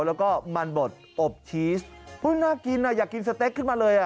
แล้วก็มันบดอบชีสน่ากินอยากกินสเต็กขึ้นมาเลย